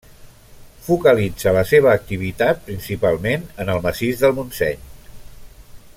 Focalitza la seva activitat principalment en el Massís del Montseny.